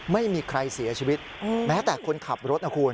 ไม่มีใครเสียชีวิตแม้แต่คนขับรถนะคุณ